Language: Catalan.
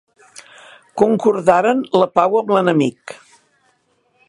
Concordaren la pau amb l'enemic.